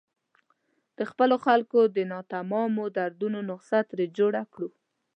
د خپلو خلکو د ناتمامو دردونو نسخه ترې جوړه کړو.